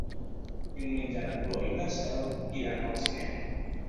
Diumenge na Cloè i na Cel iran al cinema.